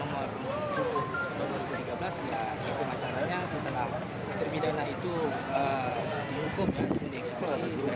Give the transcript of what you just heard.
ya itu di eksekusi mereka akan dikembalikan pada pihak luar